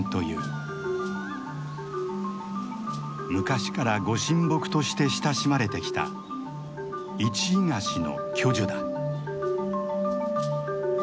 昔からご神木として親しまれてきたイチイガシの巨樹だ。